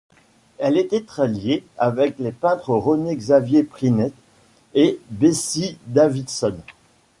Elle était très liée avec les peintres René-Xavier Prinet et Bessie Davidson.